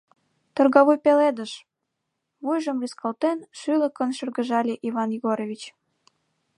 Торгавуй пеледыш, — вуйжым рӱзалтен, шӱлыкын шыргыжале Иван Егорович.